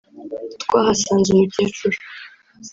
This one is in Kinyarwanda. twahasanze umukecuru